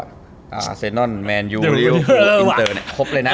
เซนอนแมนยูริวอินเตอร์เนี่ยครบเลยนะ